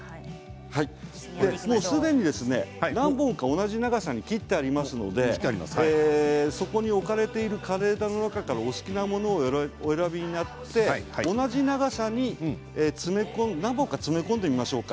もうすでに何本か同じ長さに切ってありますのでそこに置かれている枯れ枝の中からお好きなものをお選びになって同じ長さに何本か詰め込んでみましょうか。